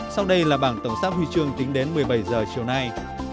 sau đây là bảng tổng sắp huy chương tính đến một mươi bảy h chiều nay